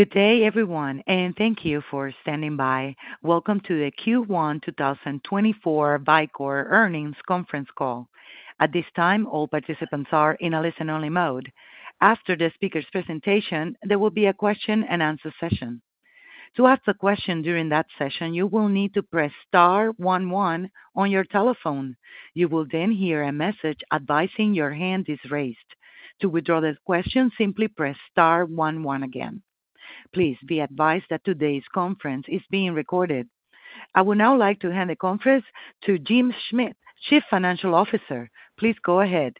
Good day, everyone, and thank you for standing by. Welcome to the Q1 2024 Vicor Earnings Conference Call. At this time, all participants are in a listen-only mode. After the speaker's presentation, there will be a question-and-answer session. To ask a question during that session, you will need to press star one one on your telephone. You will then hear a message advising your hand is raised. To withdraw this question, simply press star one one again. Please be advised that today's conference is being recorded. I would now like to hand the conference to Jim Schmidt, Chief Financial Officer. Please go ahead.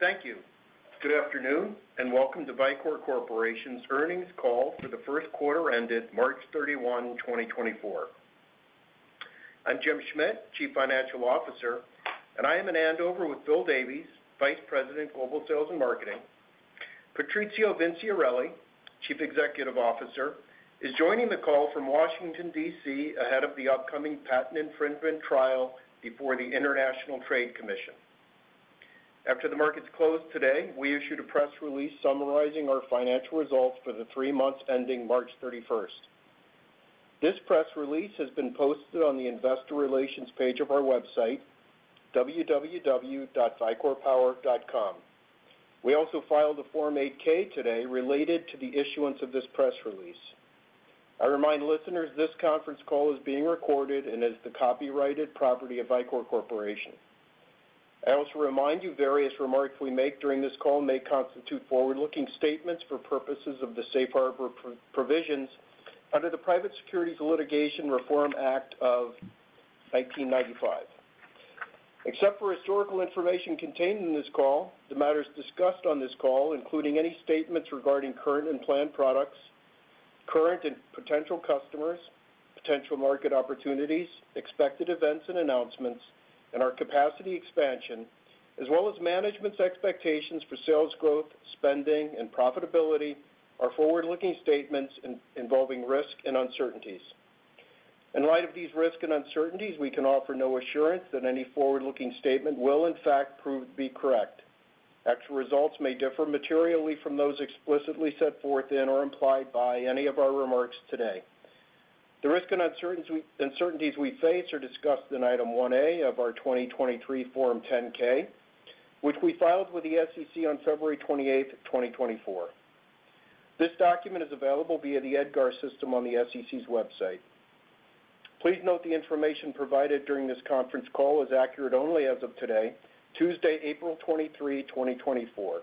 Thank you. Good afternoon, and welcome to Vicor Corporation's earnings call for the first quarter ended March 31, 2024. I'm Jim Schmidt, Chief Financial Officer, and I am in Andover with Phil Davies, Vice President, Global Sales and Marketing. Patrizio Vinciarelli, Chief Executive Officer, is joining the call from Washington, D.C., ahead of the upcoming patent infringement trial before the International Trade Commission. After the markets closed today, we issued a press release summarizing our financial results for the three months ending March 31. This press release has been posted on the investor relations page of our website, www.vicorpower.com. We also filed a Form 8-K today related to the issuance of this press release. I remind listeners, this conference call is being recorded and is the copyrighted property of Vicor Corporation. I also remind you, various remarks we make during this call may constitute forward-looking statements for purposes of the safe harbor provisions under the Private Securities Litigation Reform Act of 1995. Except for historical information contained in this call, the matters discussed on this call, including any statements regarding current and planned products, current and potential customers, potential market opportunities, expected events and announcements, and our capacity expansion, as well as management's expectations for sales growth, spending, and profitability, are forward-looking statements involving risk and uncertainties. In light of these risks and uncertainties, we can offer no assurance that any forward-looking statement will, in fact, prove to be correct. Actual results may differ materially from those explicitly set forth in or implied by any of our remarks today. The risk and uncertainties we face are discussed in Item 1A of our 2023 Form 10-K, which we filed with the SEC on February 28, 2024. This document is available via the EDGAR system on the SEC's website. Please note, the information provided during this conference call is accurate only as of today, Tuesday, April 23, 2024.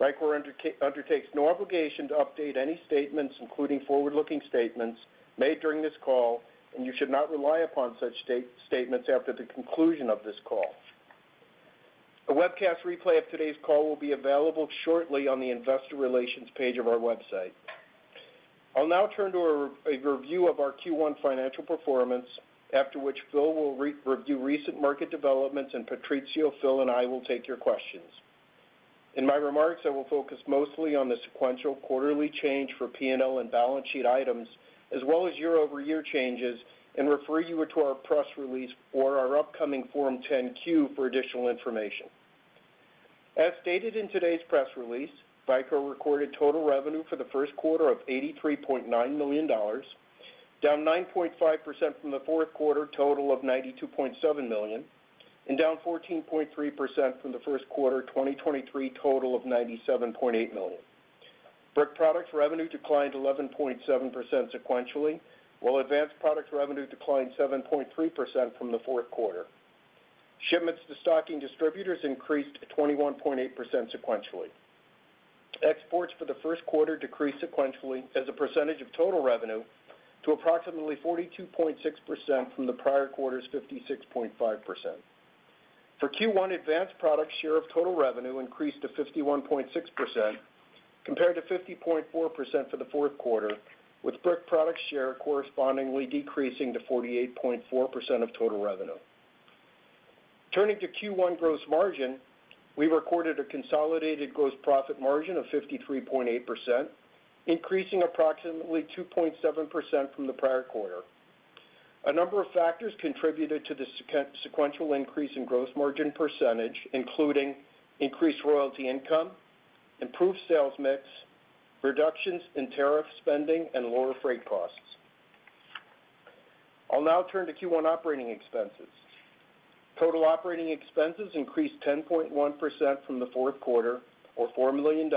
Vicor undertakes no obligation to update any statements, including forward-looking statements, made during this call, and you should not rely upon such statements after the conclusion of this call. A webcast replay of today's call will be available shortly on the investor relations page of our website. I'll now turn to a review of our Q1 financial performance, after which Phil will review recent market developments, and Patrizio, Phil, and I will take your questions. In my remarks, I will focus mostly on the sequential quarterly change for P&L and balance sheet items, as well as year-over-year changes, and refer you to our press release or our upcoming Form 10-Q for additional information. As stated in today's press release, Vicor recorded total revenue for the first quarter of $83.9 million, down 9.5% from the fourth quarter total of $92.7 million, and down 14.3% from the first quarter 2023 total of $97.8 million. Brick Products revenue declined 11.7% sequentially, while Advanced Products revenue declined 7.3% from the fourth quarter. Shipments to stocking distributors increased 21.8% sequentially. Exports for the first quarter decreased sequentially as a percentage of total revenue to approximately 42.6% from the prior quarter's 56.5%. For Q1, Advanced Products share of total revenue increased to 51.6%, compared to 50.4% for the fourth quarter, with Brick Products share correspondingly decreasing to 48.4% of total revenue. Turning to Q1 gross margin, we recorded a consolidated gross profit margin of 53.8%, increasing approximately 2.7% from the prior quarter. A number of factors contributed to the sequential increase in gross margin percentage, including increased royalty income, improved sales mix, reductions in tariff spending, and lower freight costs. I'll now turn to Q1 operating expenses. Total operating expenses increased 10.1% from the fourth quarter, or $4 million,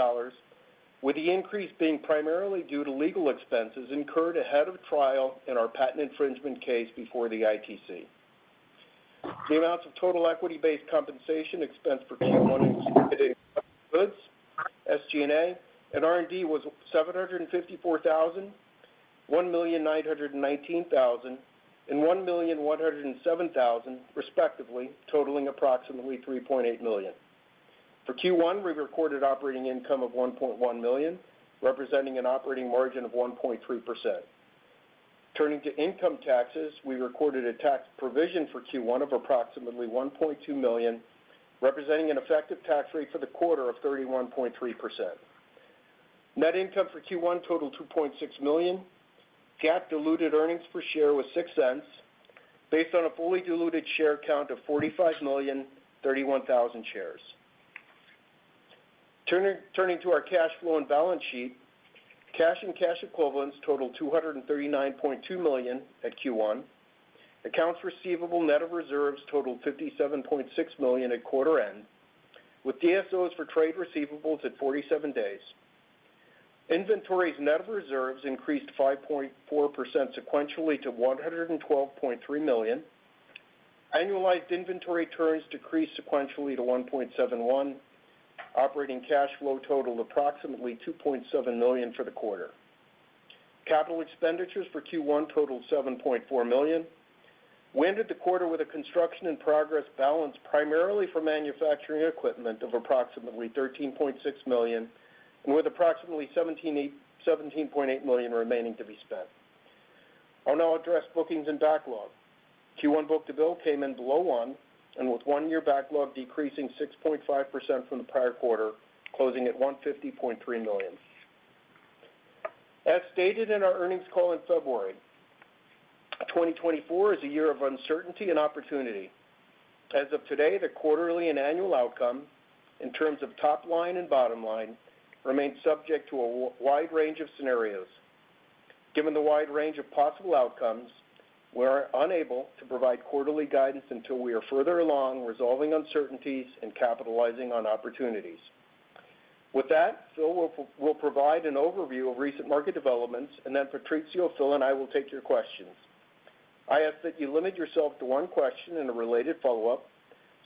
with the increase being primarily due to legal expenses incurred ahead of trial in our patent infringement case before the ITC. The amounts of total equity-based compensation expense for Q1 including goods, SG&A, and R&D was $754,000, $1,919,000, and $1,107,000, respectively, totaling approximately $3.8 million. For Q1, we recorded operating income of $1.1 million, representing an operating margin of 1.2%. Turning to income taxes, we recorded a tax provision for Q1 of approximately $1.2 million, representing an effective tax rate for the quarter of 31.3%. Net income for Q1 totaled $2.6 million. GAAP diluted earnings per share was $0.06 based on a fully diluted share count of 45,031,000 shares. Turning to our cash flow and balance sheet, cash and cash equivalents totaled $239.2 million at Q1. Accounts receivable net of reserves totaled $57.6 million at quarter end, with DSOs for trade receivables at 47 days. Inventories net of reserves increased 5.4 sequentially to $112.3 million. Annualized inventory turns decreased sequentially to 1.71. Operating cash flow totaled approximately $2.7 million for the quarter. Capital expenditures for Q1 totaled $7.4 million. We ended the quarter with a construction in progress balance, primarily for manufacturing equipment of approximately $13.6 million, and with approximately $17.8 million remaining to be spent. I'll now address bookings and backlog. Q1 book-to-bill came in below 1, and with 1-year backlog decreasing 6.5% from the prior quarter, closing at $150.3 million. As stated in our earnings call in February 2024 is a year of uncertainty and opportunity. As of today, the quarterly and annual outcome, in terms of top line and bottom line, remains subject to a wide range of scenarios. Given the wide range of possible outcomes, we're unable to provide quarterly guidance until we are further along resolving uncertainties and capitalizing on opportunities. With that, Phil will provide an overview of recent market developments, and then Patrizio, Phil, and I will take your questions. I ask that you limit yourself to one question and a related follow-up,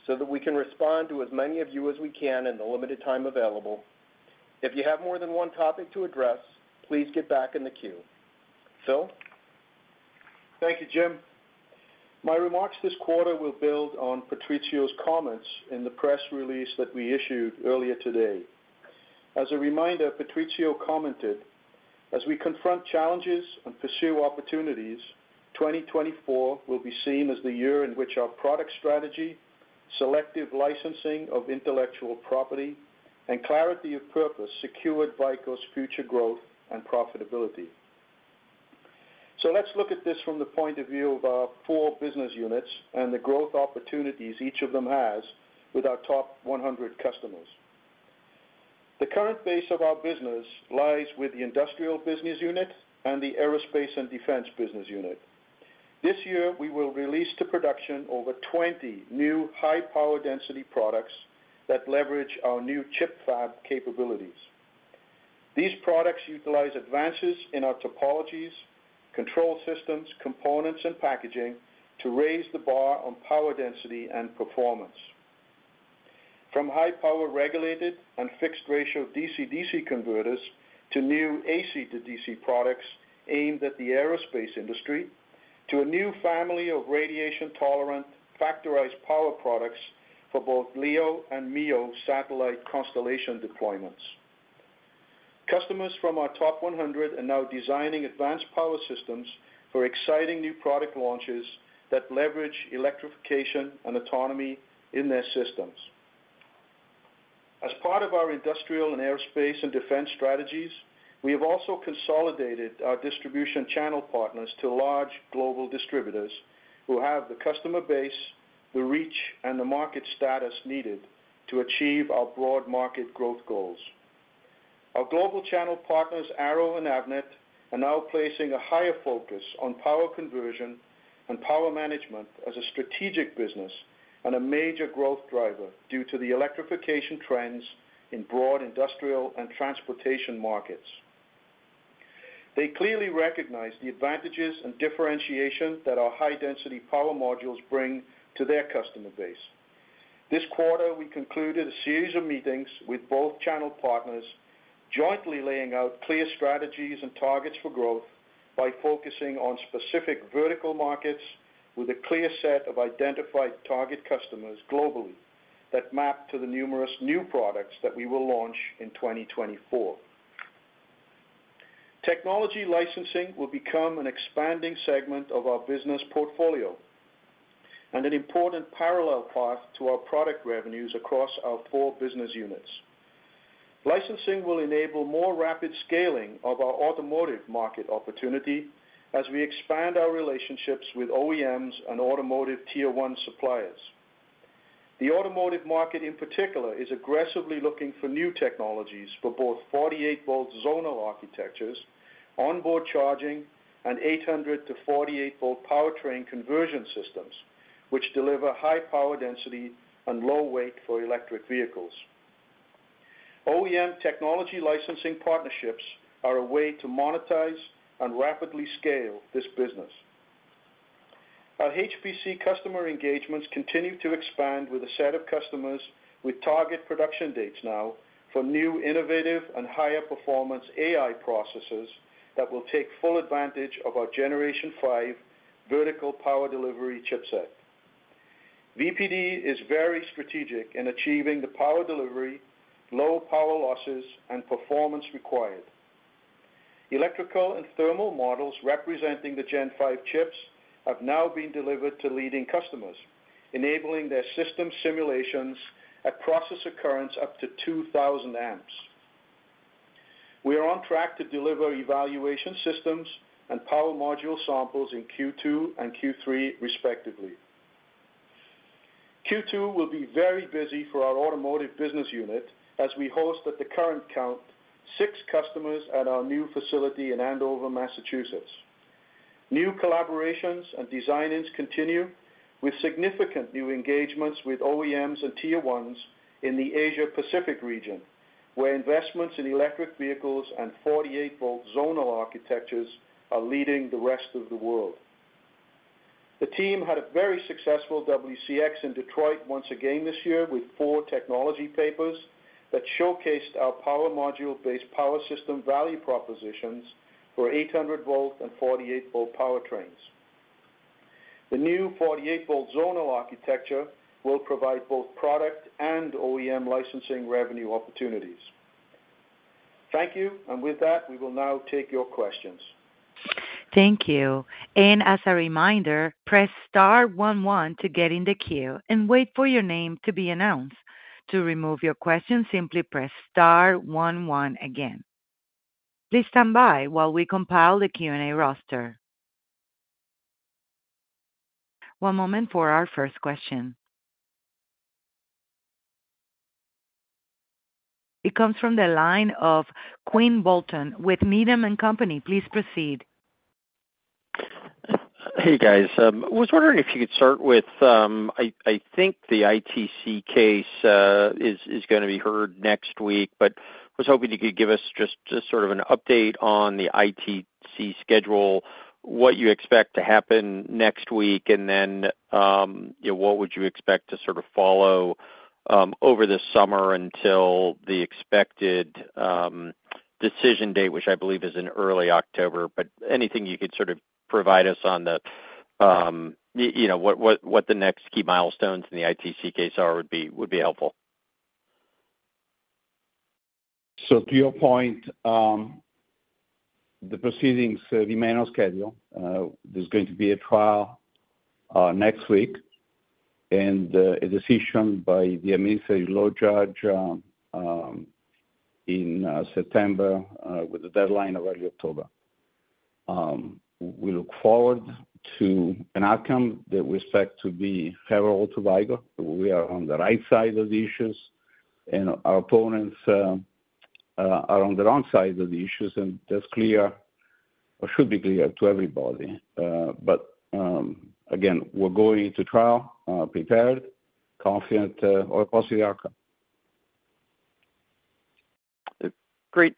so that we can respond to as many of you as we can in the limited time available. If you have more than one topic to address, please get back in the queue. Phil? Thank you, Jim. My remarks this quarter will build on Patrizio's comments in the press release that we issued earlier today. As a reminder, Patrizio commented, "As we confront challenges and pursue opportunities, 2024 will be seen as the year in which our product strategy, selective licensing of intellectual property, and clarity of purpose secured Vicor's future growth and profitability." So let's look at this from the point of view of our four business units and the growth opportunities each of them has with our top 100 customers. The current base of our business lies with the Industrial Business Unit and the Aerospace and Defense Business Unit. This year, we will release to production over 20 new high power density products that leverage our new chip fab capabilities. These products utilize advances in our topologies, control systems, components, and packaging to raise the bar on power density and performance. From high power regulated and fixed ratio DC/DC converters to new AC to DC products aimed at the aerospace industry, to a new family of radiation-tolerant, factorized power products for both LEO and MEO satellite constellation deployments. Customers from our top 100 are now designing advanced power systems for exciting new product launches that leverage electrification and autonomy in their systems. As part of our industrial and aerospace and defense strategies, we have also consolidated our distribution channel partners to large global distributors, who have the customer base, the reach, and the market status needed to achieve our broad market growth goals. Our global channel partners, Arrow and Avnet, are now placing a higher focus on power conversion and power management as a strategic business and a major growth driver, due to the electrification trends in broad industrial and transportation markets. They clearly recognize the advantages and differentiation that our high-density power modules bring to their customer base. This quarter, we concluded a series of meetings with both channel partners, jointly laying out clear strategies and targets for growth by focusing on specific vertical markets with a clear set of identified target customers globally, that map to the numerous new products that we will launch in 2024. Technology licensing will become an expanding segment of our business portfolio, and an important parallel path to our product revenues across our four business units. Licensing will enable more rapid scaling of our automotive market opportunity as we expand our relationships with OEMs and automotive Tier One suppliers. The automotive market, in particular, is aggressively looking for new technologies for both 48-volt zonal architectures, onboard charging, and 800- to 48-volt powertrain conversion systems, which deliver high power density and low weight for electric vehicles. OEM technology licensing partnerships are a way to monetize and rapidly scale this business. Our HPC customer engagements continue to expand with a set of customers with target production dates now for new, innovative, and higher performance AI processors that will take full advantage of our Generation Five vertical power delivery chipset. VPD is very strategic in achieving the power delivery, low power losses, and performance required. Electrical and thermal models representing the Gen Five chips have now been delivered to leading customers, enabling their system simulations at processor currents up to 2,000 amps.... We are on track to deliver evaluation systems and power module samples in Q2 and Q3 respectively. Q2 will be very busy for our automotive business unit, as we host, at the current count, six customers at our new facility in Andover, Massachusetts. New collaborations and design-ins continue, with significant new engagements with OEMs and tier ones in the Asia Pacific region, where investments in electric vehicles and 48-volt zonal architectures are leading the rest of the world. The team had a very successful WCX in Detroit once again this year, with four technology papers that showcased our power module-based power system value propositions for 800-volt and 48-volt powertrains. The new 48-volt zonal architecture will provide both product and OEM licensing revenue opportunities. Thank you, and with that, we will now take your questions. Thank you. As a reminder, press star one one to get in the queue and wait for your name to be announced. To remove your question, simply press star one one again. Please stand by while we compile the Q&A roster. One moment for our first question. It comes from the line of Quinn Bolton with Needham & Company. Please proceed. Hey, guys. Was wondering if you could start with, I think the ITC case is gonna be heard next week, but was hoping you could give us just sort of an update on the ITC schedule, what you expect to happen next week, and then, you know, what would you expect to sort of follow over the summer until the expected decision date, which I believe is in early October. But anything you could sort of provide us on the, you know, what the next key milestones in the ITC case are, would be helpful. So to your point, the proceedings remain on schedule. There's going to be a trial next week, and a decision by the administrative law judge in September with a deadline of early October. We look forward to an outcome that we expect to be favorable to Vicor. We are on the right side of the issues, and our opponents are on the wrong side of the issues, and that's clear or should be clear to everybody. But again, we're going to trial prepared, confident of a positive outcome. Great.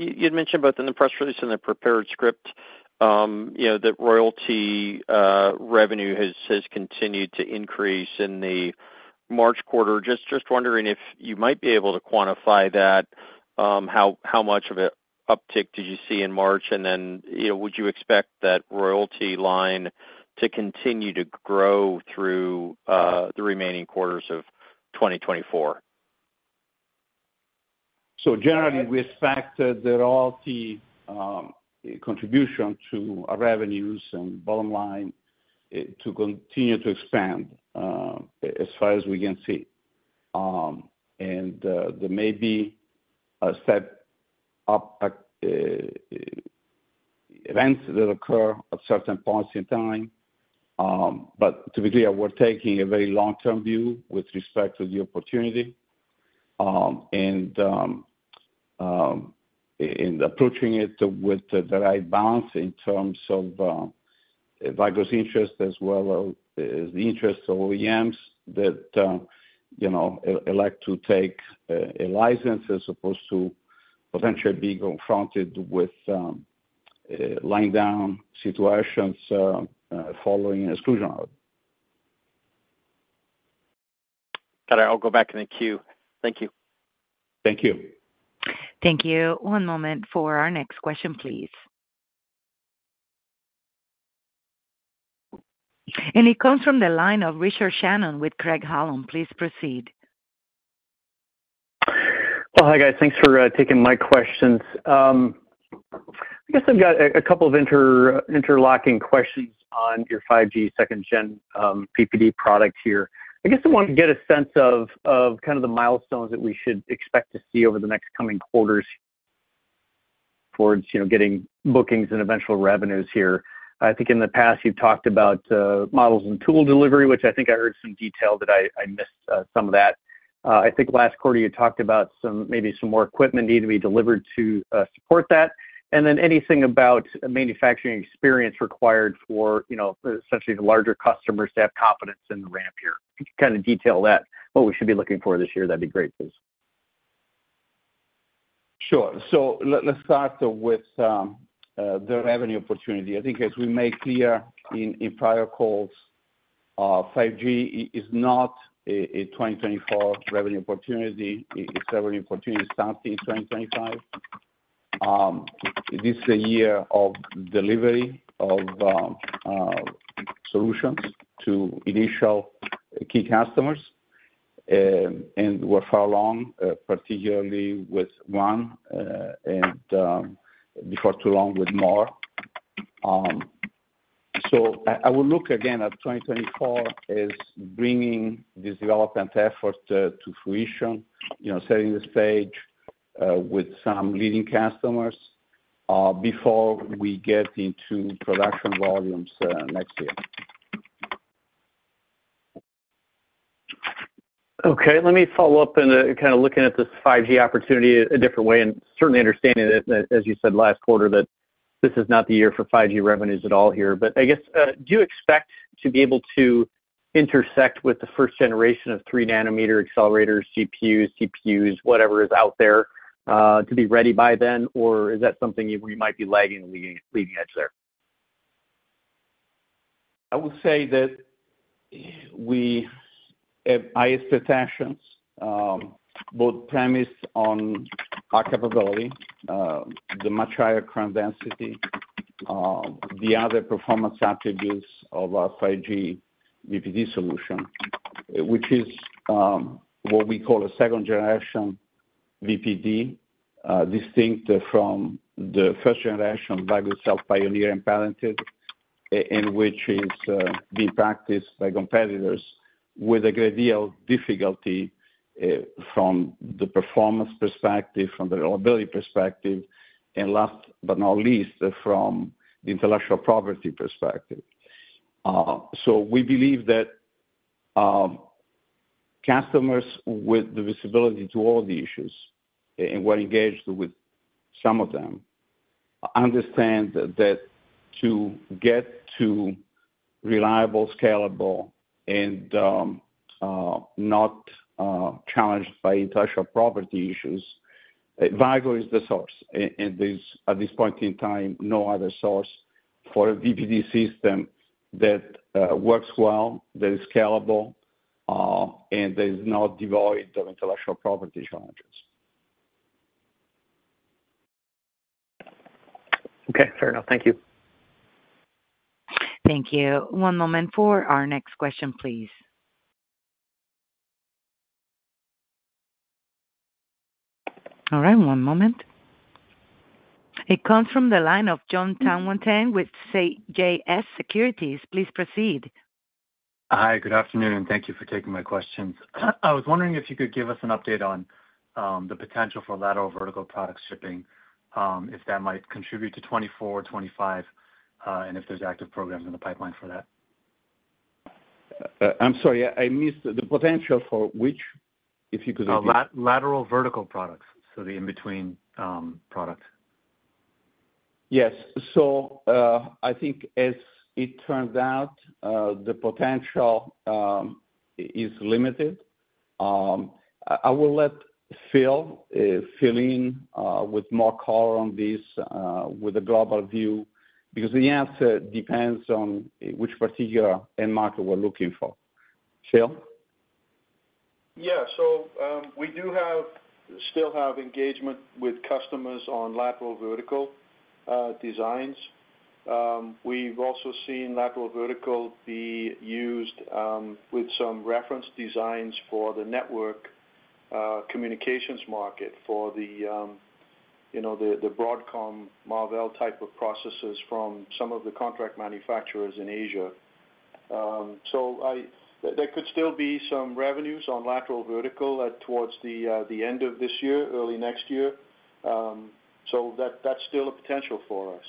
And then, you'd mentioned both in the press release and the prepared script, you know, that royalty revenue has continued to increase in the March quarter. Just wondering if you might be able to quantify that. How much of an uptick did you see in March? And then, you know, would you expect that royalty line to continue to grow through the remaining quarters of 2024? So generally, we expect the royalty contribution to our revenues and bottom line to continue to expand, as far as we can see. And there may be a step up events that occur at certain points in time, but to be clear, we're taking a very long-term view with respect to the opportunity, and in approaching it with the right balance in terms of Vicor's interest, as well as the interests of OEMs that you know elect to take a license as opposed to potentially being confronted with litigation situations following exclusion order. Got it. I'll go back in the queue. Thank you. Thank you. Thank you. One moment for our next question, please. It comes from the line of Richard Shannon with Craig-Hallum. Please proceed. Well, hi, guys. Thanks for taking my questions. I guess I've got a couple of interlocking questions on your 5G second gen VPD product here. I guess I wanted to get a sense of kind of the milestones that we should expect to see over the next coming quarters towards, you know, getting bookings and eventual revenues here. I think in the past, you've talked about models and tool delivery, which I think I heard some detail that I missed, some of that. I think last quarter you talked about some maybe some more equipment needing to be delivered to support that. And then anything about manufacturing experience required for, you know, essentially the larger customers to have confidence in the ramp here? If you could kind of detail that, what we should be looking for this year, that'd be great, please? Sure. So let's start with the revenue opportunity. I think as we made clear in prior calls, 5G is not a 2024 revenue opportunity. It's a revenue opportunity starting in 2025. This is a year of delivery of solutions to initial key customers, and we're far along, particularly with one, and before too long with more. So I will look again at 2024 as bringing this development effort to fruition, you know, setting the stage with some leading customers before we get into production volumes next year. Okay, let me follow up and kind of looking at this opportunity a different way, and certainly understanding that, that as you said last quarter, that this is not the year for 5G revenues at all here. But I guess, do you expect to be able to intersect with the first generation of three-nanometer accelerators, CPUs, GPUs, whatever is out there, to be ready by then? Or is that something you, we might be lagging the leading, leading edge there? I would say that we have highest attention, both premised on our capability, the much higher current density, the other performance attributes of our VPD solution, which is what we call a second generation VPD, distinct from the first generation by itself pioneered and patented, and which is being practiced by competitors with a great deal of difficulty, from the performance perspective, from the reliability perspective, and last but not least, from the intellectual property perspective. So we believe that customers with the visibility to all the issues, and we're engaged with some of them, understand that to get to reliable, scalable, and not challenged by intellectual property issues, Vicor is the source, and this, at this point in time, no other source for a VPD system that works well, that is scalable, and that is not devoid of intellectual property challenges. Okay, fair enough. Thank you. Thank you. One moment for our next question, please. All right, one moment. It comes from the line of John Tanwanteng with CJS Securities. Please proceed. Hi, good afternoon, and thank you for taking my questions. I was wondering if you could give us an update on the potential for lateral vertical product shipping, if that might contribute to 2024, 2025, and if there's active programs in the pipeline for that. I'm sorry, I missed the potential for which, if you could repeat? Lateral vertical products, so the in-between product. Yes. So, I think as it turns out, the potential is limited. I will let Phil fill in with more color on this with a global view, because the answer depends on which particular end market we're looking for. Phil? Yeah. So, we do have, still have engagement with customers on lateral vertical designs. We've also seen lateral vertical be used with some reference designs for the network communications market for the, you know, the Broadcom, Marvell type of processors from some of the contract manufacturers in Asia. So there could still be some revenues on lateral vertical at towards the end of this year, early next year. So that, that's still a potential for us.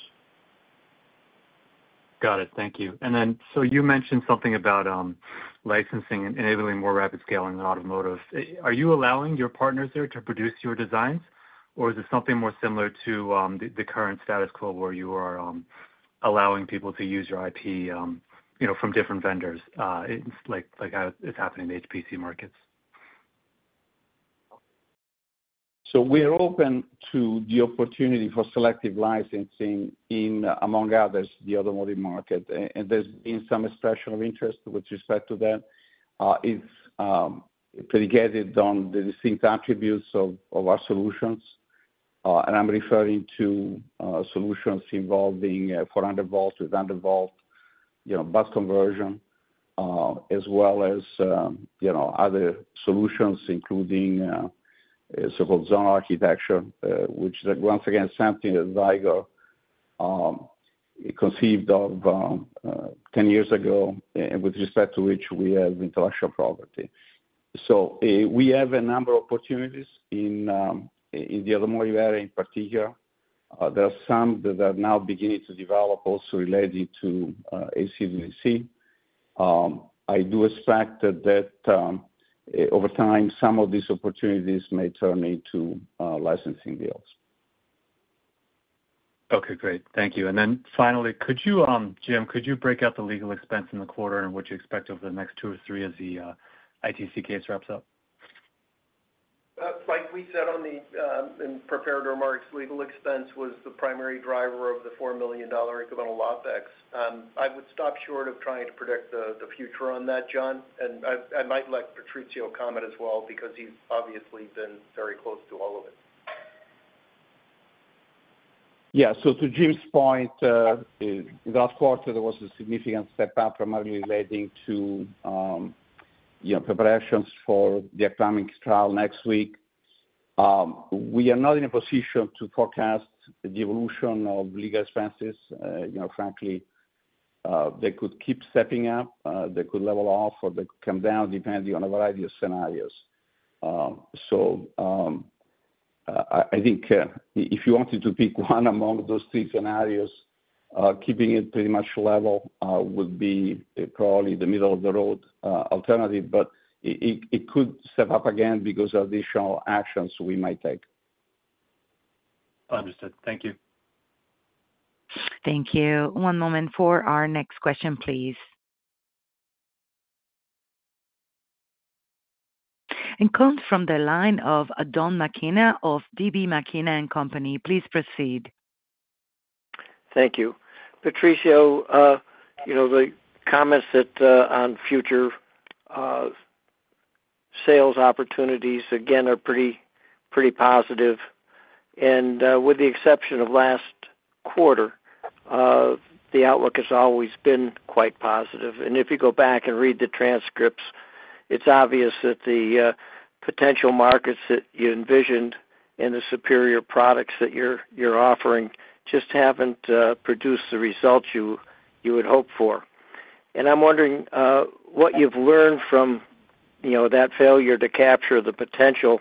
Got it. Thank you. And then, so you mentioned something about licensing and enabling more rapid scaling in automotive. Are you allowing your partners there to produce your designs? Or is it something more similar to the current status quo, where you are allowing people to use your IP, you know, from different vendors? It's like how it's happening in HPC markets? So we are open to the opportunity for selective licensing in, among others, the automotive market, and there's been some expression of interest with respect to that. It's predicated on the distinct attributes of our solutions, and I'm referring to solutions involving 400 volts, with 100-volt, you know, bus conversion, as well as, you know, other solutions, including 48-volt zonal architecture, which is once again, something that Vicor conceived of 10 years ago, and with respect to which we have intellectual property. So we have a number of opportunities in the automotive area, in particular. There are some that are now beginning to develop, also related to AC-DC. I do expect that over time, some of these opportunities may turn into licensing deals. Okay, great. Thank you. And then finally, could you, Jim, could you break out the legal expense in the quarter and what you expect over the next two or three as the ITC case wraps up? Like we said on the, in prepared remarks, legal expense was the primary driver of the $4 million incremental OpEx. I would stop short of trying to predict the future on that, John. And I might let Patrizio comment as well, because he's obviously been very close to all of it. Yeah. So to Jim's point, last quarter, there was a significant step up primarily relating to, you know, preparations for the upcoming trial next week. We are not in a position to forecast the evolution of legal expenses. You know, frankly, they could keep stepping up, they could level off, or they could come down, depending on a variety of scenarios. So, I think, if you wanted to pick one among those three scenarios, keeping it pretty much level would be probably the middle of the road alternative, but it could step up again because of additional actions we might take. Understood. Thank you. Thank you. One moment for our next question, please. It comes from the line of Don McKenna of DB McKenna & Company. Please proceed. Thank you. Patrizio, you know, the comments that on future sales opportunities, again, are pretty, pretty positive. And with the exception of last quarter, the outlook has always been quite positive. And if you go back and read the transcripts, it's obvious that the potential markets that you envisioned and the superior products that you're offering just haven't produced the results you would hope for. And I'm wondering what you've learned from, you know, that failure to capture the potential,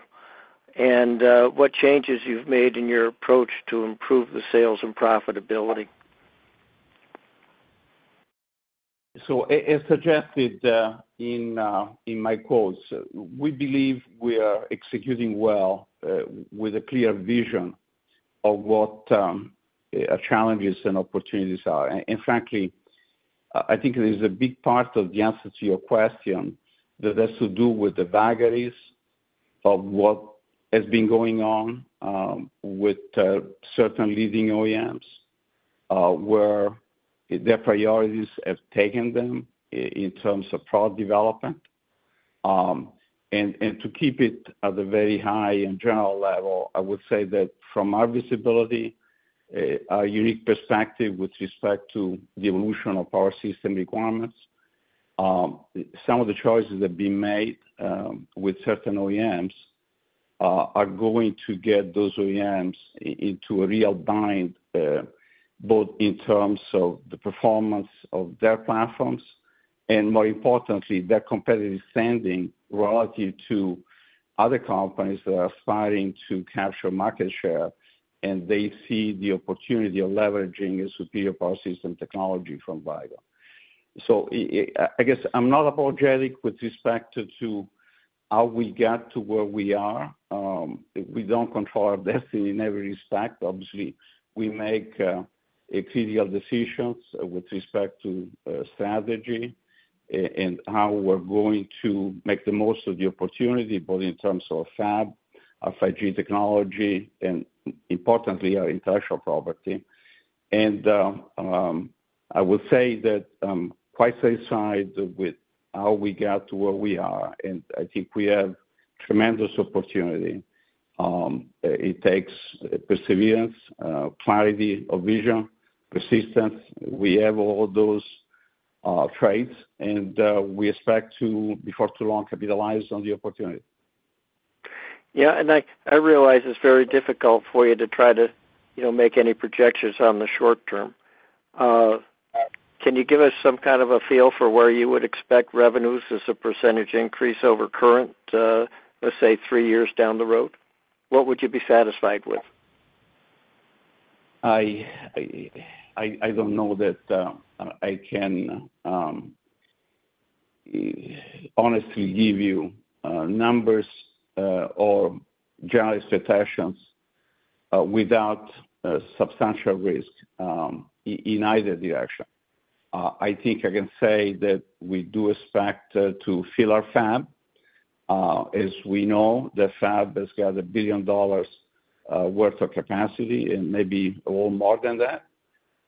and what changes you've made in your approach to improve the sales and profitability? So as suggested, in my quotes, we believe we are executing well, with a clear vision of what challenges and opportunities are. And frankly, I think there's a big part of the answer to your question that has to do with the vagaries of what has been going on, with certain leading OEMs, where their priorities have taken them in terms of product development. And to keep it at a very high and general level, I would say that from our visibility, our unique perspective with respect to the evolution of power system requirements, some of the choices that have been made with certain OEMs are going to get those OEMs into a real bind, both in terms of the performance of their platforms, and more importantly, their competitive standing relative to other companies that are aspiring to capture market share, and they see the opportunity of leveraging a superior power system technology from Vicor. So, I guess I'm not apologetic with respect to, to how we got to where we are. We don't control our destiny in every respect. Obviously, we make ethereal decisions with respect to strategy and how we're going to make the most of the opportunity, both in terms of fab, our 5G technology, and importantly, our intellectual property. And I would say that quite aside with how we got to where we are, and I think we have tremendous opportunity. It takes perseverance, clarity of vision, persistence. We have all those traits, and we expect to, before too long, capitalize on the opportunity. Yeah, and I realize it's very difficult for you to try to, you know, make any projections on the short term. Can you give us some kind of a feel for where you would expect revenues as a percentage increase over current, let's say, three years down the road? What would you be satisfied with? I don't know that I can honestly give you numbers or general expectations without substantial risk in either direction. I think I can say that we do expect to fill our fab. As we know, the fab has got $1 billion worth of capacity and maybe a little more than that.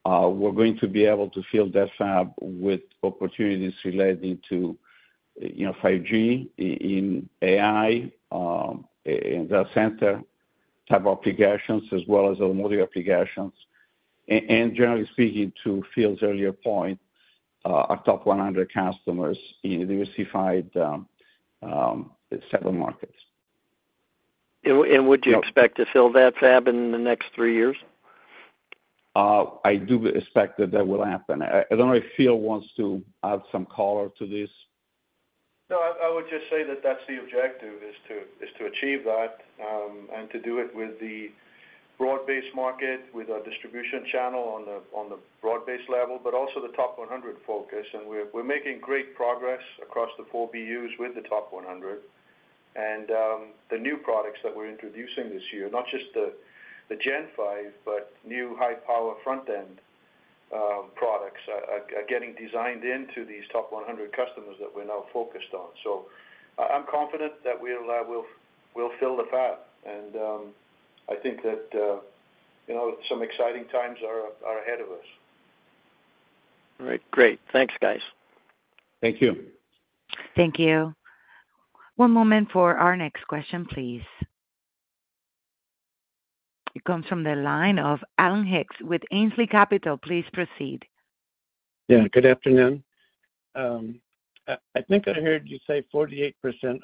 We're going to be able to fill that fab with opportunities relating to, you know, 5G in AI in the center type applications as well as other applications. And generally speaking, to Phil's earlier point, our top 100 customers in diversified several markets. And w- Would you expect to fill that fab in the next three years? I do expect that that will happen. I don't know if Phil wants to add some color to this. No, I, I would just say that that's the objective, is to, is to achieve that, and to do it with the broad-based market, with our distribution channel on the, on the broad-based level, but also the top 100 focus. And we're, we're making great progress across the four BUs with the top 100. And, the new products that we're introducing this year, not just the, the Gen Five, but new high-power front end, products are, are, are getting designed into these top 100 customers that we're now focused on. So I, I'm confident that we'll, we'll, we'll fill the fab. And, I think that, you know, some exciting times are, are ahead of us. All right, great. Thanks, guys. Thank you. Thank you. One moment for our next question, please.... It comes from the line of Alan Hicks with Ainsley Capital. Please proceed. Yeah, good afternoon. I think I heard you say 48%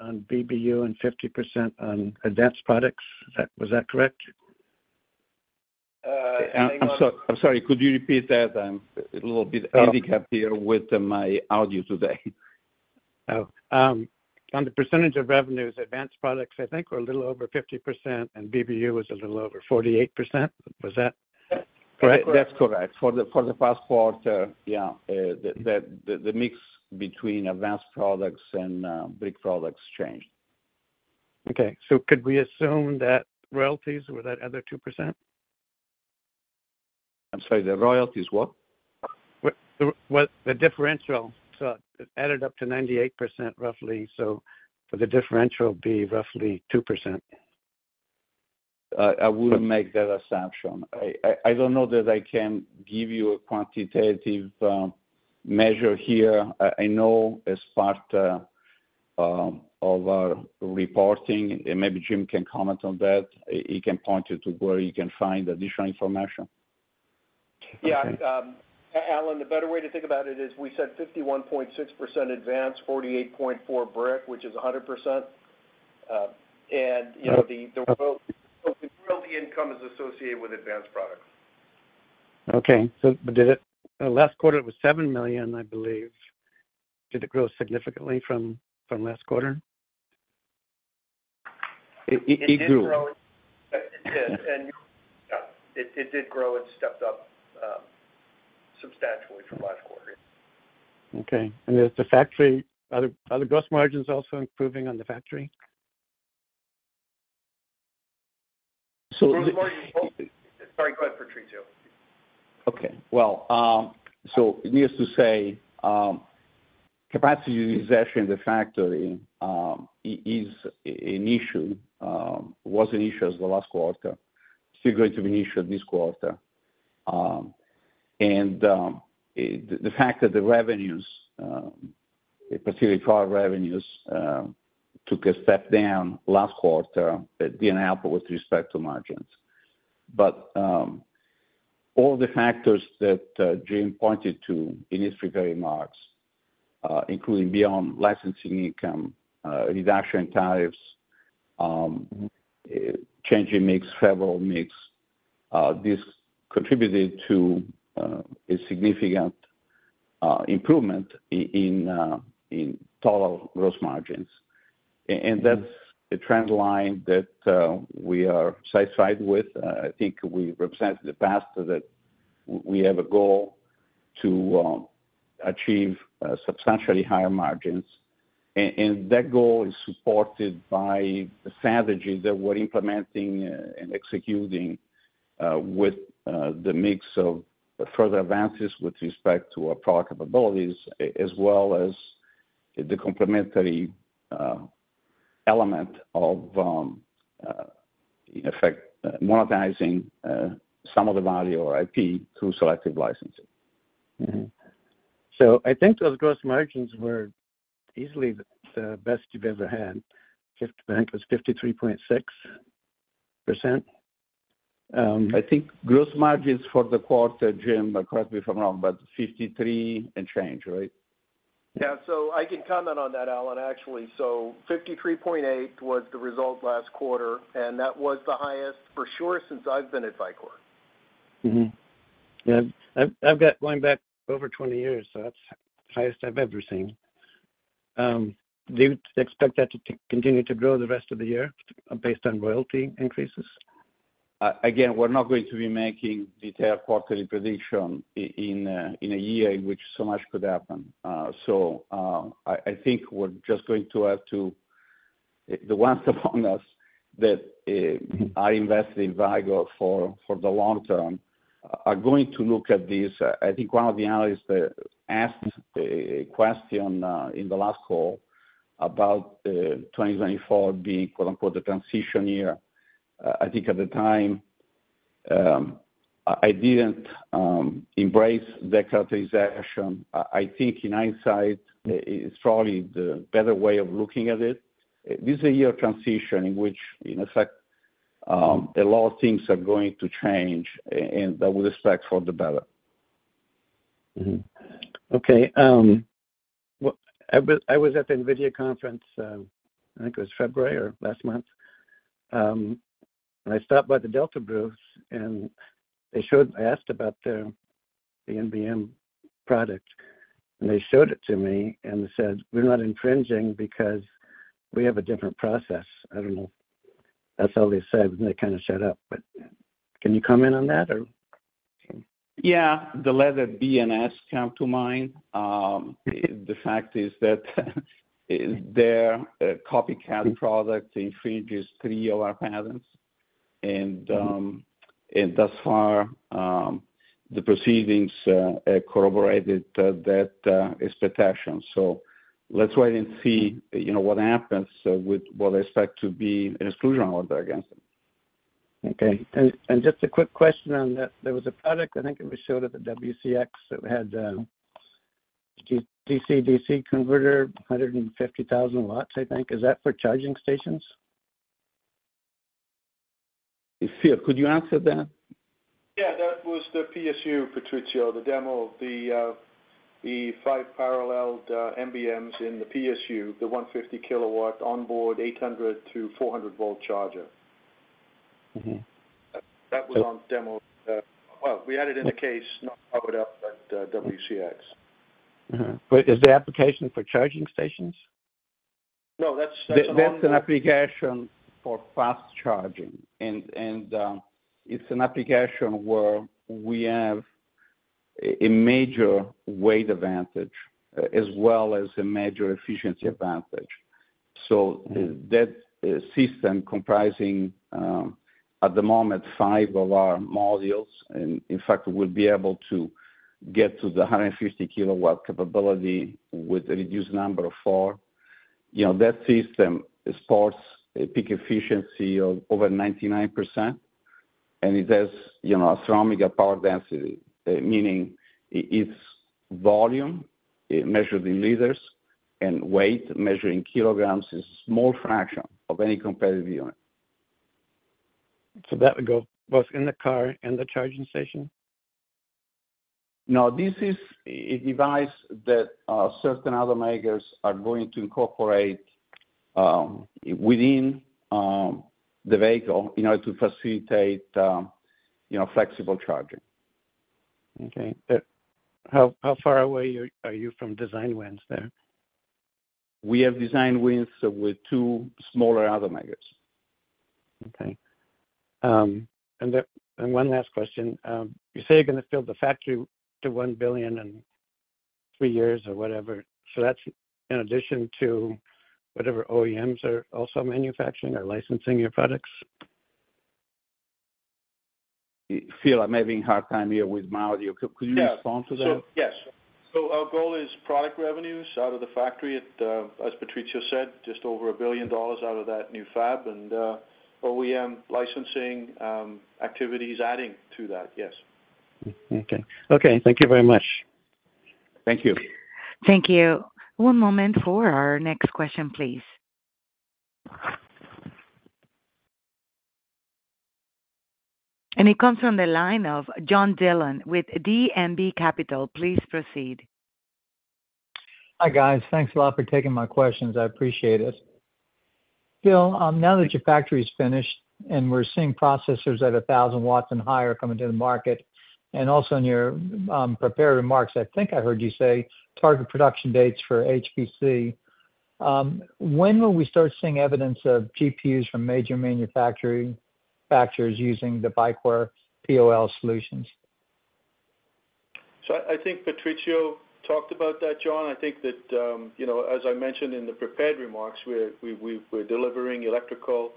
on BBU and 50% on advanced products. Is that—was that correct? I'm sorry, could you repeat that? I'm a little bit handicapped here with my audio today. Oh, on the percentage of revenues, advanced products, I think, were a little over 50%, and BBU was a little over 48%. Was that correct? That's correct. For the first quarter, yeah, the mix between advanced products and brick products changed. Okay, so could we assume that royalties were that other 2%? I'm sorry, the royalties what? The differential. So it added up to 98%, roughly, so would the differential be roughly 2%? I wouldn't make that assumption. I don't know that I can give you a quantitative measure here. I know as part of our reporting, and maybe Jim can comment on that. He can point you to where you can find additional information. Okay. Yeah, Alan, the better way to think about it is we said 51.6% advanced, 48.4 brick, which is 100%. And, you know, the, the royalty, the royalty income is associated with advanced products. Okay. So but did it last quarter, it was $7 million, I believe. Did it grow significantly from last quarter? It grew. It did grow. It did. And, yeah, it did grow. It stepped up substantially from last quarter. Okay. And are the gross margins also improving on the factory? So- Sorry, go ahead, Patrizio. Okay, well, so needless to say, capacity utilization in the factory is an issue, was an issue as the last quarter, still going to be an issue this quarter. And the fact that the revenues, specifically our revenues, took a step down last quarter, that didn't help with respect to margins. But all the factors that Jim pointed to in his prepared remarks, including beyond licensing income, reduction in tariffs, changing mix, favorable mix, this contributed to a significant improvement in total gross margins. And that's the trend line that we are satisfied with. I think we represented in the past that we have a goal to achieve substantially higher margins. And that goal is supported by the strategy that we're implementing and executing with the mix of further advances with respect to our product capabilities, as well as the complementary element of, in effect, monetizing some of the value or IP through selective licensing. Mm-hmm. So I think those gross margins were easily the best you've ever had, if I think it was 53.6%? I think gross margins for the quarter, Jim, correct me if I'm wrong, but 53 and change, right? Yeah. So I can comment on that, Alan, actually. So 53.8 was the result last quarter, and that was the highest for sure since I've been at Vicor. Mm-hmm. Yeah, I've got going back over 20 years, so that's the highest I've ever seen. Do you expect that to continue to grow the rest of the year, based on royalty increases? Again, we're not going to be making detailed quarterly predictions in a year in which so much could happen. So, I think we're just going to have to—the ones among us that are invested in Vicor for the long term are going to look at this. I think one of the analysts asked a question in the last call about 2024 being, quote, unquote, "the transition year." I think at the time, I didn't embrace that characterization. I think in hindsight, it is probably the better way of looking at it. This is a year of transition in which, in effect, a lot of things are going to change and with respect for the better. Mm-hmm. Okay, well, I was at the NVIDIA conference, I think it was February or last month, and I stopped by the Delta booths, and they showed—I asked about the NBM product, and they showed it to me and said: "We're not infringing because we have a different process." I don't know. That's all they said, and they kind of shut up. But can you comment on that, or? Yeah. The letter BNS come to mind. The fact is that their copycat product infringes three of our patents, and thus far, the proceedings corroborated that is the case. So let's wait and see, you know, what happens with what I expect to be an exclusion order against them. Okay. And just a quick question on that. There was a product, I think it was showed at the WCX, that had DC-DC converter, 150,000 watts, I think. Is that for charging stations? Phil, could you answer that? Yeah, that was the PSU, Patrizio, the demo of the five paralleled MBMs in the PSU, the 150 kW onboard 800-400 Volt charger. Mm-hmm. That, that was on demo. Well, we had it in a case, not powered up, at WCX. Mm-hmm. But is the application for charging stations? No, that's an- That's an application for fast charging, and it's an application where we have a major weight advantage, as well as a major efficiency advantage. So that system comprising, at the moment, five of our modules, and in fact, we'll be able to get to the 150 kW capability with a reduced number of four. You know, that system supports a peak efficiency of over 99%, and it has, you know, astronomical power density, meaning its volume, measured in liters, and weight, measured in kilograms, is a small fraction of any competitive unit. So that would go both in the car and the charging station? No, this is a device that certain automakers are going to incorporate within the vehicle in order to facilitate, you know, flexible charging. Okay. But how far away are you from design wins there? We have design wins with two smaller automakers. Okay. And one last question, you say you're gonna fill the factory to $1 billion in three years or whatever, so that's in addition to whatever OEMs are also manufacturing or licensing your products? Phil, I'm having a hard time hearing with my audio. Could you respond to that? Yeah. So, yes. So our goal is product revenues out of the factory at, as Patrizio said, just over $1 billion out of that new fab, and OEM licensing activities adding to that, yes. Mm-hmm. Okay. Okay, thank you very much. Thank you. Thank you. One moment for our next question, please. It comes from the line of John Dillon with D&B Capital. Please proceed. Hi, guys. Thanks a lot for taking my questions. I appreciate it. Phil, now that your factory is finished, and we're seeing processors at 1,000 watts and higher coming to the market, and also in your prepared remarks, I think I heard you say target production dates for HPC. When will we start seeing evidence of GPUs from major manufacturing manufacturers using the VI Chip PoL solutions? So I think Patrizio talked about that, John. I think that, you know, as I mentioned in the prepared remarks, we're delivering electrical,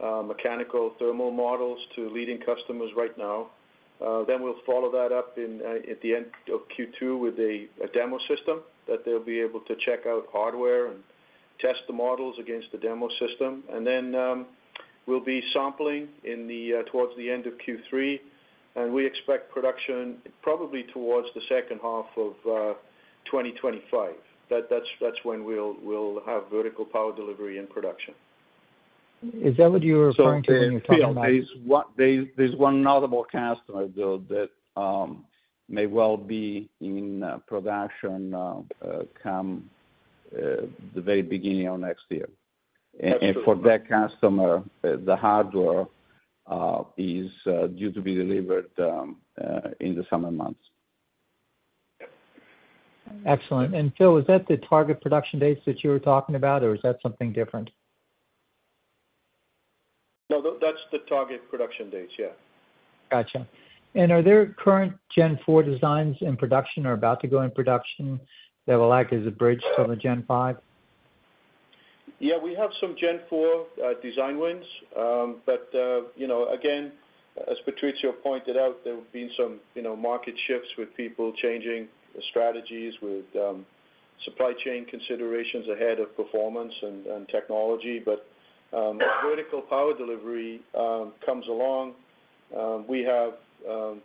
mechanical, thermal models to leading customers right now. Then we'll follow that up in at the end of Q2 with a demo system that they'll be able to check out hardware and test the models against the demo system. And then, we'll be sampling in the towards the end of Q3, and we expect production probably towards the second half of 2025. That's when we'll have vertical power delivery and production. Is that what you were referring to when you were talking about- So, Phil, there's one notable customer, though, that may well be in production come the very beginning of next year. Absolutely. And for that customer, the hardware is due to be delivered in the summer months. Excellent. And Phil, is that the target production dates that you were talking about, or is that something different? No, that's the target production dates. Yeah. Gotcha. Are there current Gen Four designs in production or about to go in production that will act as a bridge to the Gen Five? Yeah, we have some Gen Four design wins, but, you know, again, as Patrizio pointed out, there have been some, you know, market shifts with people changing strategies with supply chain considerations ahead of performance and technology. But, as vertical power delivery comes along, we have,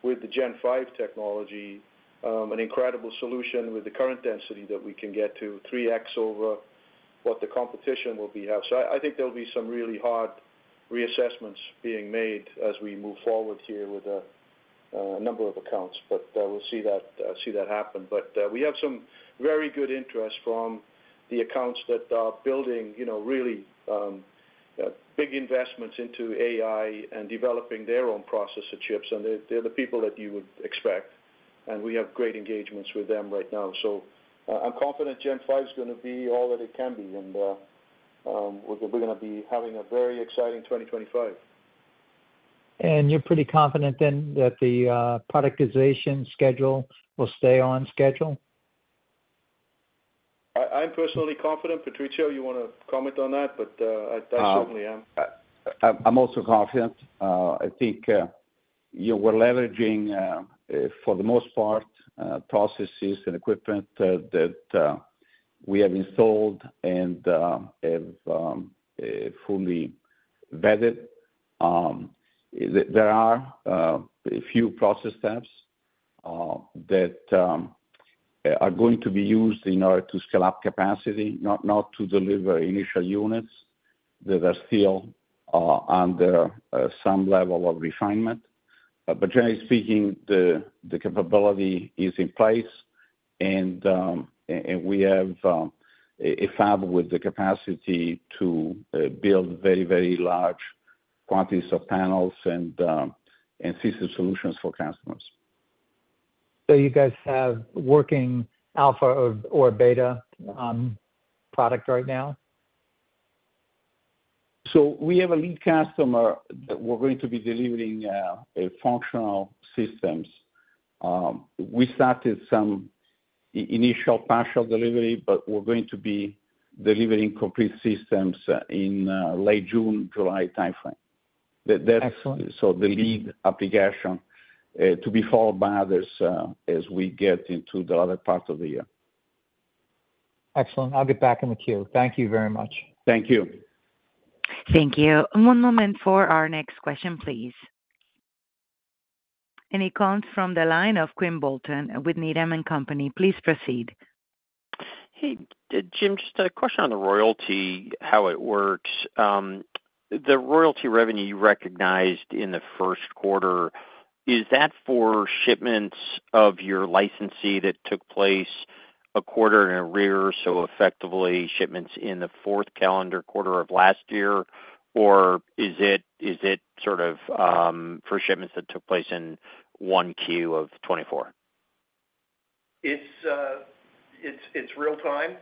with the Gen Five technology, an incredible solution with the current density that we can get to 3x over what the competition will have. So, I think there'll be some really hard reassessments being made as we move forward here with a number of accounts, but, we'll see that happen. But, we have some very good interest from the accounts that are building, you know, really, big investments into AI and developing their own processor chips, and they, they're the people that you would expect, and we have great engagements with them right now. So, I'm confident Gen Five's gonna be all that it can be, and, we're gonna be having a very exciting 2025. You're pretty confident then that the productization schedule will stay on schedule? I'm personally confident. Patrizio, you wanna comment on that? But I certainly am. I'm also confident. I think, you know, we're leveraging, for the most part, processes and equipment that we have installed and have fully vetted. There are a few process steps that are going to be used in order to scale up capacity, not to deliver initial units that are still under some level of refinement. But generally speaking, the capability is in place, and we have a fab with the capacity to build very, very large quantities of panels and system solutions for customers. You guys have working alpha or beta product right now? So we have a lead customer that we're going to be delivering a functional systems. We started some initial partial delivery, but we're going to be delivering complete systems in late June, July timeframe. That- Excellent. The lead application, to be followed by others, as we get into the other parts of the year. Excellent. I'll get back in the queue. Thank you very much. Thank you. Thank you. One moment for our next question, please. And it comes from the line of Quinn Bolton with Needham and Company. Please proceed. Hey, Jim, just a question on the royalty, how it works. The royalty revenue you recognized in the first quarter, is that for shipments of your licensee that took place a quarter in arrears, so effectively shipments in the fourth calendar quarter of last year? Or is it, is it sort of, for shipments that took place in 1Q of 2024? It's real time.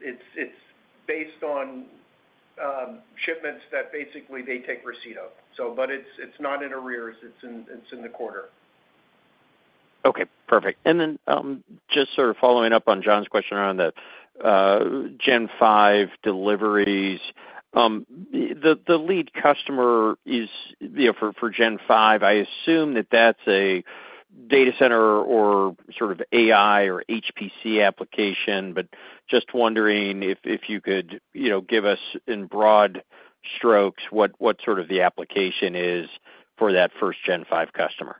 It's based on shipments that basically they take receipt of. So but it's not in arrears, it's in the quarter. Okay, perfect. And then, just sort of following up on John's question around the Gen Five deliveries. The lead customer is, you know, for Gen Five, I assume that that's a data center or sort of AI or HPC application, but just wondering if you could, you know, give us in broad strokes, what sort of the application is for that first Gen Five customer.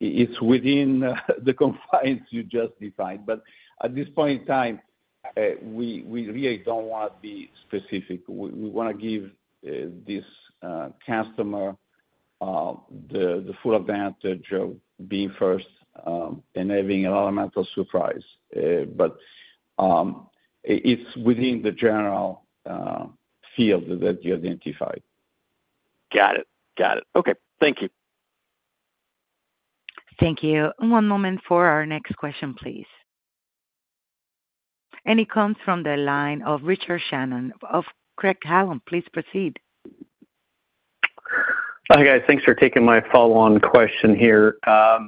It's within the confines you just defined, but at this point in time, we really don't want to be specific. We wanna give this customer the full advantage of being first, and having an element of surprise. But it's within the general field that you identified. Got it. Got it. Okay. Thank you. Thank you. One moment for our next question, please. It comes from the line of Richard Shannon of Craig-Hallum. Please proceed. Hi, guys. Thanks for taking my follow-on question here. I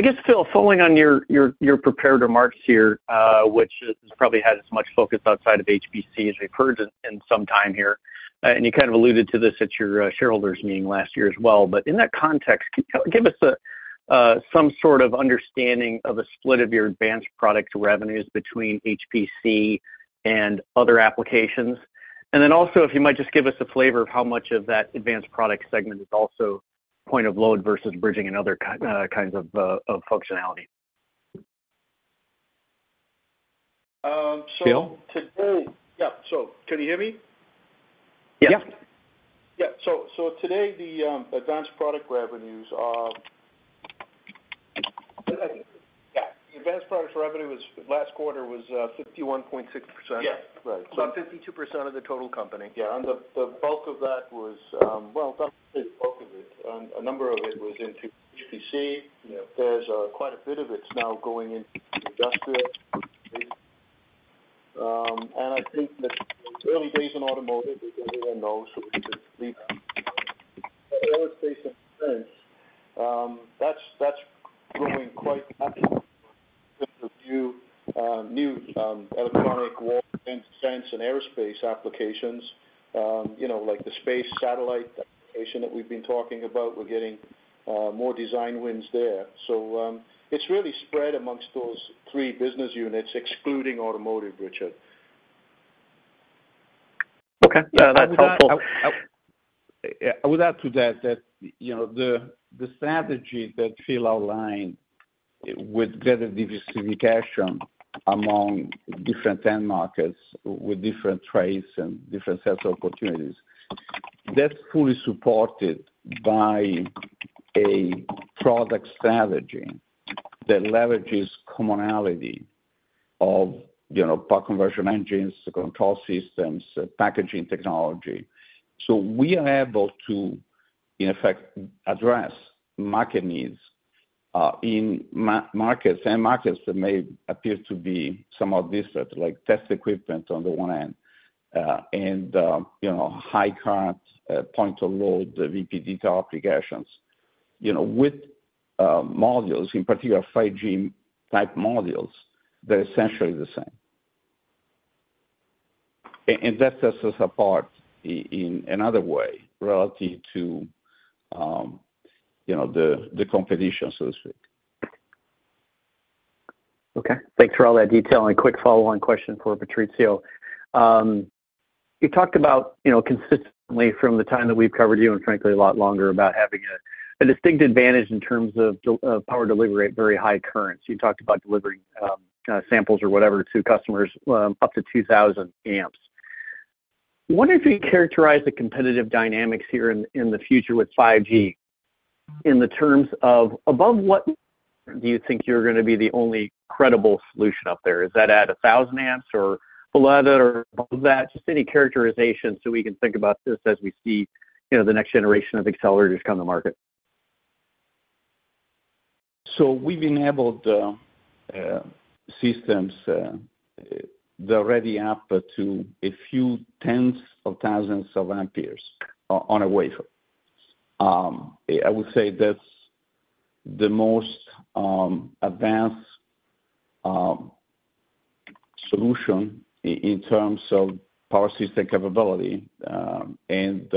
guess, Phil, following on your prepared remarks here, which probably has as much focus outside of HPC as we've heard in some time here, and you kind of alluded to this at your shareholders meeting last year as well. But in that context, can you give us some sort of understanding of a split of your advanced product revenues between HPC and other applications? And then also, if you might just give us a flavor of how much of that advanced product segment is also point of load versus bridging and other kinds of functionality. Um, so- Phil? Yeah. So can you hear me? Yeah. Yeah. Yeah. So today, the advanced product revenues are... Yeah, the advanced product revenue was, last quarter was, 51.6%. Yeah, right. 52% of the total company. Yeah, and the bulk of that was, well, not the bulk of it, a number of it was into HPC. Yeah. There's quite a bit of it's now going into industrial. And I think that there's early days in automotive, as everyone knows, so we can see. Aerospace and defense, that's growing quite a bit with the new electronic warfare and defense and aerospace applications, you know, like the space satellite application that we've been talking about, we're getting more design wins there. So, it's really spread amongst those three business units, excluding automotive, Richard. Okay. That's helpful. Yeah, I would add to that, you know, the strategy that Phil outlined with better diversification among different end markets, with different trades and different sets of opportunities. That's fully supported by a product strategy that leverages commonality of, you know, power conversion engines, control systems, packaging technology. So we are able to, in effect, address market needs in markets and markets that may appear to be somewhat different, like test equipment on the one end, and, you know, high current point of load, the VPD applications. You know, with modules, in particular, Gen Five-type modules, they're essentially the same. And that sets us apart in another way relative to, you know, the competition, so to speak. Okay. Thanks for all that detail. A quick follow-on question for Patrizio. You talked about, you know, consistently from the time that we've covered you, and frankly, a lot longer, about having a distinct advantage in terms of the power delivery at very high currents. You talked about delivering samples or whatever to customers up to 2,000 amps. I wonder if you characterize the competitive dynamics here in the future with 5G, in the terms of above what do you think you're gonna be the only credible solution out there? Is that at 1,000 amps or below that or above that? Just any characterization so we can think about this as we see, you know, the next generation of accelerators come to market. So we've enabled systems. They're already up to a few tens of thousands of A on a wafer. I would say that's the most advanced solution in terms of power system capability and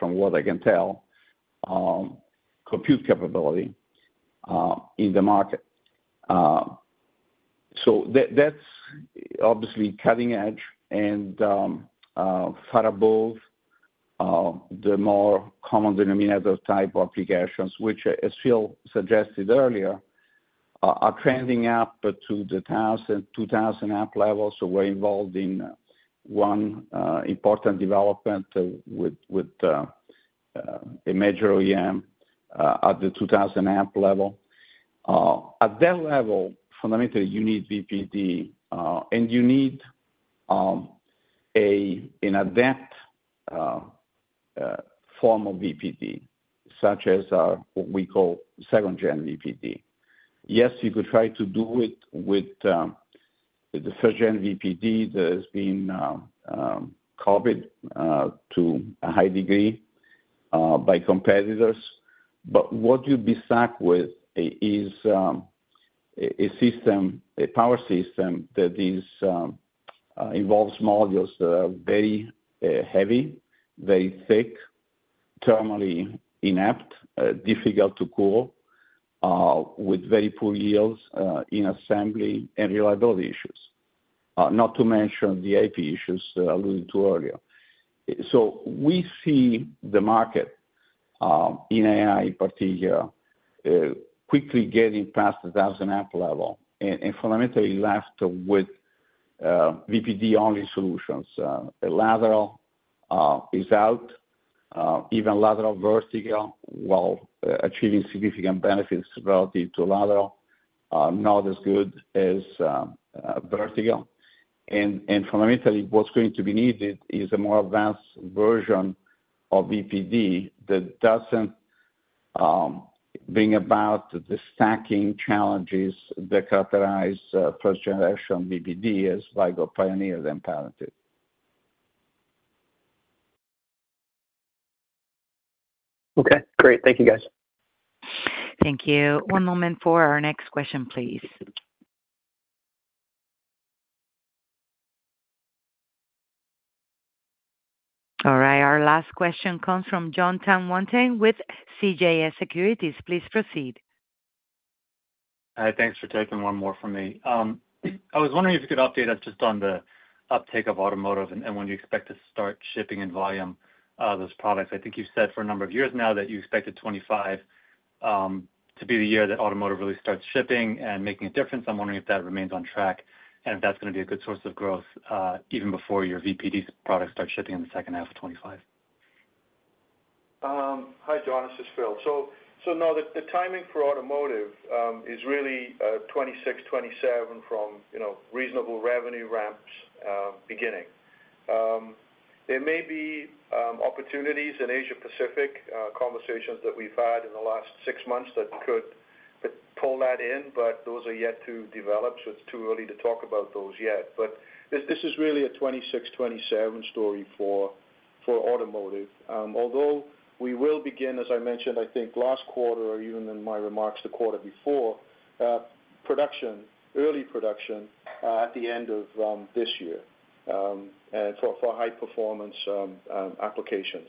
from what I can tell, compute capability in the market. So that's obviously cutting edge and far above the more common denominator type applications, which as Phil suggested earlier, are trending up to the 1,000-2,000 A level. So we're involved in one important development with a major OEM at the 2,000 A level. At that level, fundamentally, you need VPD and you need an advanced form of VPD, such as what we call second gen VPD. Yes, you could try to do it with the first-gen VPD that has been copied to a high degree by competitors, but what you'll be stuck with is a system, a power system that involves modules that are very heavy, very thick, thermally inept, difficult to cool, with very poor yields in assembly and reliability issues, not to mention the IP issues I alluded to earlier. So we see the market in AI in particular quickly getting past the 1,000-amp level and fundamentally left with VPD-only solutions. A lateral is out, even lateral vertical, while achieving significant benefits relative to lateral, not as good as vertical. Fundamentally, what's going to be needed is a more advanced version of VPD that doesn't bring about the stacking challenges that characterize first-generation VPD, as Vicor pioneered and patented. Okay, great. Thank you, guys. Thank you. One moment for our next question, please. All right, our last question comes from John Tanwanteng with CJS Securities. Please proceed. Hi, thanks for taking one more from me. I was wondering if you could update us just on the uptake of automotive and, and when you expect to start shipping in volume, those products. I think you've said for a number of years now that you expected 2025 to be the year that automotive really starts shipping and making a difference. I'm wondering if that remains on track, and if that's gonna be a good source of growth, even before your VPD products start shipping in the second half of 2025. Hi, John, this is Phil. So, no, the timing for automotive is really 2026, 2027 from, you know, reasonable revenue ramps beginning. There may be opportunities in Asia Pacific, conversations that we've had in the last six months that could pull that in, but those are yet to develop, so it's too early to talk about those yet. But this is really a 2026, 2027 story for automotive. Although we will begin, as I mentioned, I think last quarter or even in my remarks, the quarter before, production, early production, at the end of this year, and for high performance applications.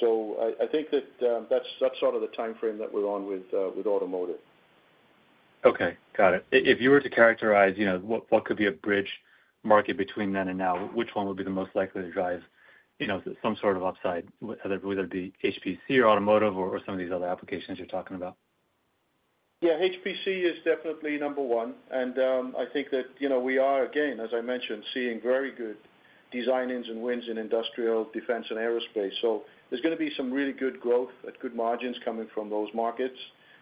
So I think that that's sort of the timeframe that we're on with automotive. Okay, got it. If you were to characterize, you know, what, what could be a bridge market between then and now, which one would be the most likely to drive, you know, some sort of upside, whether it be HPC or automotive or, or some of these other applications you're talking about? Yeah, HPC is definitely number one, and I think that, you know, we are, again, as I mentioned, seeing very good design-ins and wins in industrial, defense, and aerospace. So there's gonna be some really good growth at good margins coming from those markets,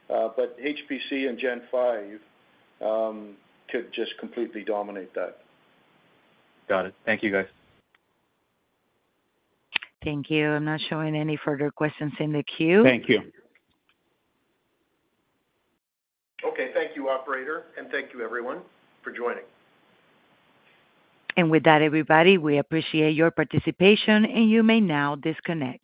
but HPC and Gen Five could just completely dominate that. Got it. Thank you, guys. Thank you. I'm not showing any further questions in the queue. Thank you. Okay. Thank you, operator, and thank you everyone for joining. With that, everybody, we appreciate your participation, and you may now disconnect.